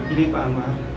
ini pak anwar